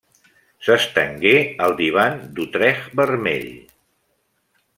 S'estengué al divan d'utrecht vermell.